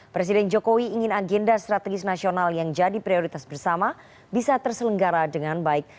presiden jokowi ingin agenda strategis nasional yang jadi prioritas bersama bisa terselenggara dengan baik